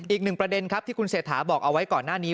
อีกหนึ่งประเด็นครับที่คุณเศรษฐาบอกเอาไว้ก่อนหน้านี้